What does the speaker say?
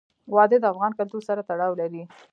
وادي د افغان کلتور سره تړاو لري.